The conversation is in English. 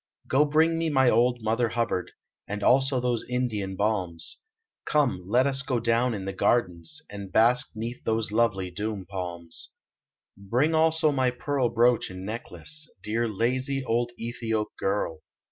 Go bring me my old mother hubbard, And also those Indian balms ; Come, let us go down in the gai^lens And bask neath those lovely dhoum palm* Bring also my pearl brooch and necklace, Dear, lazy old Ethiope girl